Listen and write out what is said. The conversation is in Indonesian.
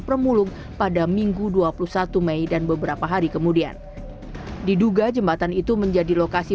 permulung pada minggu dua puluh satu mei dan beberapa hari kemudian diduga jembatan itu menjadi lokasi